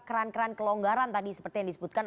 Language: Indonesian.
kran kran kelonggaran tadi seperti yang disebutkan